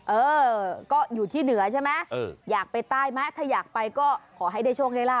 เออก็อยู่ที่เหนือใช่ไหมอยากไปใต้ไหมถ้าอยากไปก็ขอให้ได้โชคได้ลาบ